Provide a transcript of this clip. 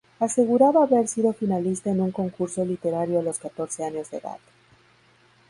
Aseguraba haber sido finalista en un concurso literario a los catorce años de edad.